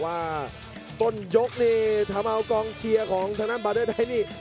ว่าต้นยกนี่ทำเอากองเชียร์ของทางด้านบาเดอร์ไทยนี่